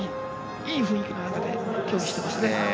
いい雰囲気の中で競技しています。